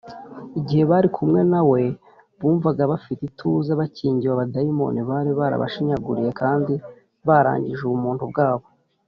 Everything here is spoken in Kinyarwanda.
igihe bari kumwe na we, bumvaga bafite ituze bakingiwe abadayimoni bari barabashinyaguriye kandi barangije ubumuntu bwabo